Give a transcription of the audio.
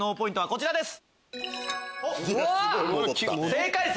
こちらです。